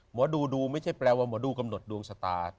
หมอดูดูไม่ใช่แปลว่าหมอดูกำหนดดวงชะตา